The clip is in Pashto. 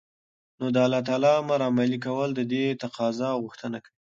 نو دالله تعالى امر عملي كول ددې تقاضا او غوښتنه كوي